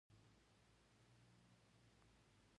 د افغانستان طبیعت له خپلو بزګانو څخه جوړ شوی دی.